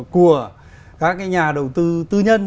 của các cái nhà đầu tư tư nhân